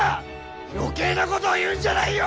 余計なことを言うんじゃないよ